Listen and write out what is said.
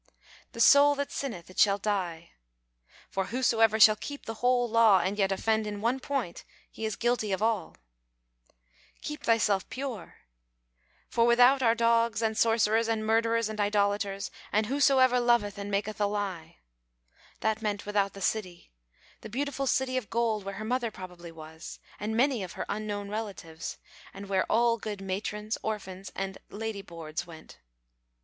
"The soul that sinneth it shall die" "For whosoever shall keep the whole law, and yet offend in one point, he is guilty of all" "Keep thyself pure" "For without are dogs, and sorcerers, and murderers, and idolaters, and whosoever loveth and maketh a lie" that meant without the city, the beautiful city of gold where her mother probably was, and many of her unknown relatives, and where all good matrons, orphans, and "lady boards" went.